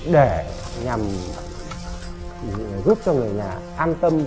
để giúp cho người nhà an tâm